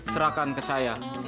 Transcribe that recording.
serahkan ke saya